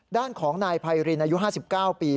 ด้านของนายไพรินอายุ๕๙ปี